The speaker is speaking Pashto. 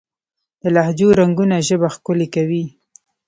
د لهجو رنګونه ژبه ښکلې کوي.